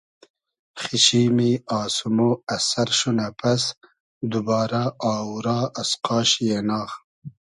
خیشیمی آسمۉ از سئر شونۂ پئس دوبارۂ آوورا از قاشی ایناغ